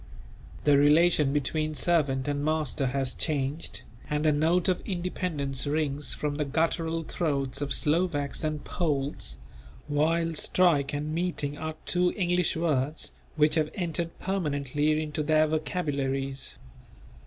The relation between servant and master has changed, and a note of independence rings from the guttural throats of Slovaks and Poles; while "strike" and "meeting" are two English words which have entered permanently into their vocabularies.